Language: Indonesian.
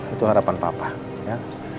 itu harapan papa ya